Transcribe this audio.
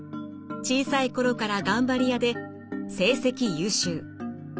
小さい頃から頑張り屋で成績優秀。